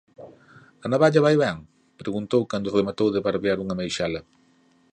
—A navalla vai ben? —preguntou cando rematou de barbear unha meixela.